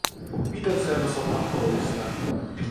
Miten se edes on mahdollista?!